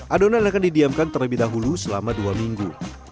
adonan akan didiamkan terlebih dahulu selama dua minggu